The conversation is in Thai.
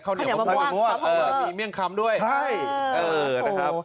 เข้าเหนียวบ้างสภาพเมอร์มีเมี่ยงคำด้วยใช่เออนะครับ